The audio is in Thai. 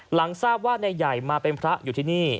หลังทราบว่านายใหญ่มาเป็นพระอยู่ที่นี่